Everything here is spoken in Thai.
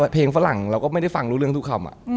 เพลงฝรั่งเราก็ไม่ได้ฟังรู้เรื่องทุกคำ